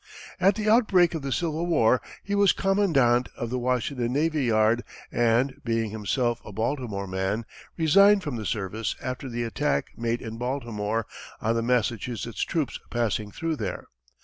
At the outbreak of the Civil War, he was commandant of the Washington navy yard, and, being himself a Baltimore man, resigned from the service after the attack made in Baltimore on the Massachusetts troops passing through there.